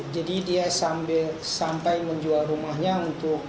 jadi dia sampai menjual rumahnya untuk